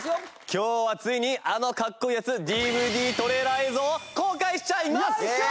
今日はついにあのかっこいいやつＤＶＤトレーラー映像を公開しちゃいます！